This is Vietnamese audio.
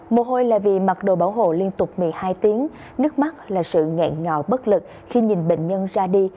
mồ hôi là vì mặc đồ bảo hộ liên tục một mươi hai tiếng nước mắt là sự nghẹn ngọ bất lực khi nhìn bệnh nhân ra đi